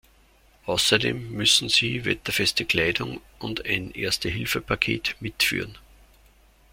Außerdem müssen sie wetterfeste Kleidung und ein Erste-Hilfe-Paket mitführen.